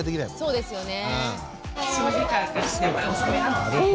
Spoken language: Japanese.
そうですよね。